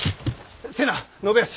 瀬名信康！